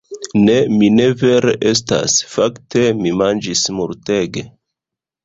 Ne, mi ne vere estas... fakte mi manĝis multege